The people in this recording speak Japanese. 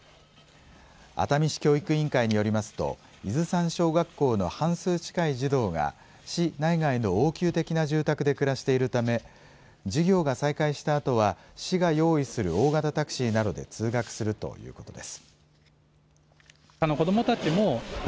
熱海市教育委員会によりますと伊豆山小学校の半数近い児童が市内外の応急的な住宅で暮らしているため授業が再開したあとは市が用意する大型タクシーなどで通学するということです。